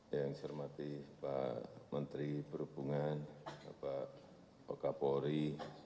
yang saya hormati pak menteri perhubungan pak bokapori